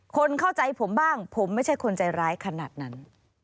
คนเข้าใจผมบ้างผมไม่ใช่คนใจร้ายขนาดนั้น